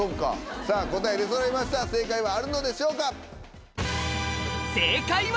さぁ答え出そろいました正解はあるのでしょうか？